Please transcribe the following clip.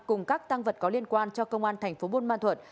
cùng các tăng vật có liên quan cho công an thành phố bôn ma thuật